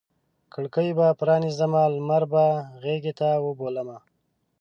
کړکۍ به پرانیزمه لمر به غیږته وبولمه